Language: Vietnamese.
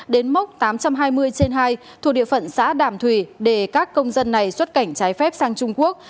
đến mốc tám trăm hai mươi trên hai thuộc địa phận xã đàm thủy để các công dân này xuất cảnh trái phép sang trung quốc